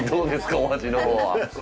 お味のほうは？